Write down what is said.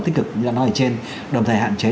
tích cực như anh nói ở trên đồng thời hạn chế